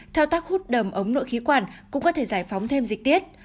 thao tác hút đầm ống nội khí quản cũng có thể giải phóng thêm dịch tiết